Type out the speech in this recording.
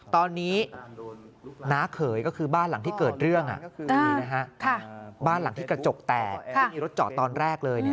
ตอนนี้น้าเขยก็คือบ้านหลังที่เกิดเรื่องนี่นะฮะบ้านหลังที่กระจกแตกที่มีรถจอดตอนแรกเลย